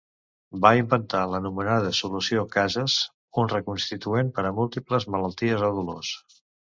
Va inventar l'anomenada solució Cases, un reconstituent per a múltiples malalties o dolors.